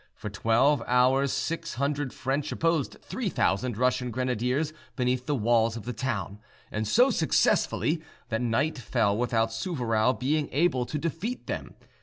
For twelve hours six hundred French opposed three thousand Russian grenadiers beneath the walls of the town, and so successfully that night fell without Souvarow being able to defeat them.